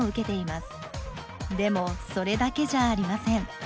でもそれだけじゃありません。